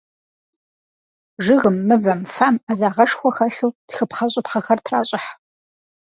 Жыгым, мывэм, фэм Ӏэзагъэшхуэ хэлъу тхыпхъэщӀыпхъэхэр тращӀыхь.